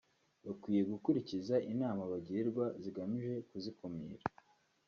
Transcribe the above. bakwiye gukurikiza inama bagirwa zigamije kuzikumira